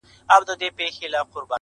ايوب مايوس دی او خوشال يې پر څنگل ژاړي_